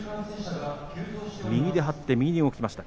右で張って右に動きました。